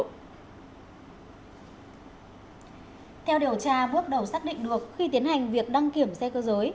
theo điều tra bước đầu xác định được khi tiến hành việc đăng kiểm xe cơ giới